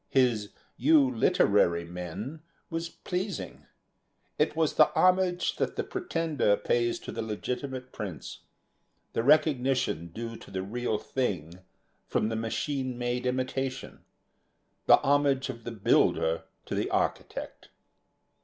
His "you literary men" was pleasing. It was the homage that the pretender pays to the legitimate prince; the recognition due to the real thing from the machine made imitation; the homage of the builder to the architect.